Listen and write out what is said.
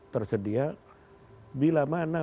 tersedia bila mana